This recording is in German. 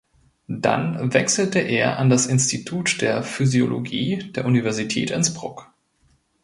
Dann wechselte er an das Institut für Physiologie der Universität Innsbruck.